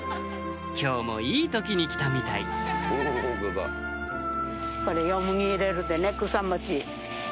今日もいい時に来たみたいこれヨモギ入れるでね草餅。